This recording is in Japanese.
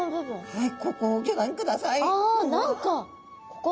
はい。